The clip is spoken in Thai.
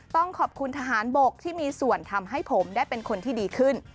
ต้องขอบคุณทหารบกที่มีส่วนทำให้ผมได้เป็นคนที่ดีขึ้น